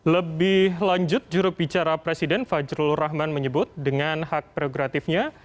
lebih lanjut jurubicara presiden fajrul rahman menyebut dengan hak prerogatifnya